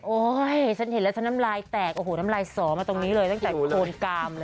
ฉันเห็นแล้วฉันน้ำลายแตกโอ้โหน้ำลายสอมาตรงนี้เลยตั้งแต่โคนกามเลย